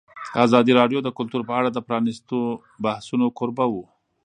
ازادي راډیو د کلتور په اړه د پرانیستو بحثونو کوربه وه.